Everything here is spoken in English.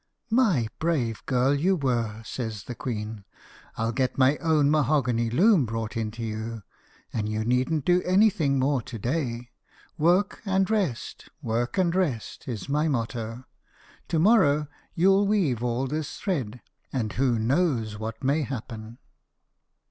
"My brave girl you were!" says the queen. "I'll get my own mahogany loom brought into you, but you needn't do anything more to day. Work and rest, work and rest, is my motto. To morrow you'll weave all this thread, and who knows what may happen?"